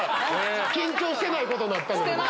緊張してないことになったんです。